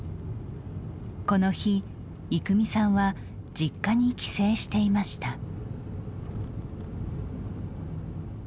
この日、育美さんは実家に帰省していました。